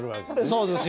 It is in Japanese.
そうですよ。